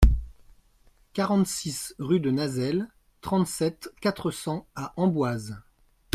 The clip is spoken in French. quarante-six rue de Nazelles, trente-sept, quatre cents à Amboise